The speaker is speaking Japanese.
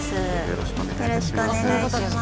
よろしくお願いします。